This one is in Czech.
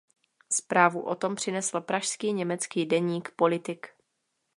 Zprávu o tom přinesl pražský německý deník "Politik".